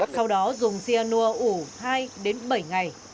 sau đó dùng xia nua ủ hai đến bảy ngày